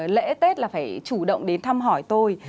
lễ tết là phải chủ động đến thăm hỏi tôi